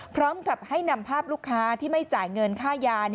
พร้อมกับให้นำภาพลูกค้าที่ไม่จ่ายเงินค่ายา